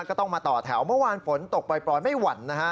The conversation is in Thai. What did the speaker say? ก็ต้องมาต่อแถวเมื่อวานฝนตกปล่อยไม่หวั่นนะฮะ